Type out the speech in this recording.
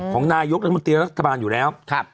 ของนายกรัฐมนตรีรัฐบาลอยู่แล้ว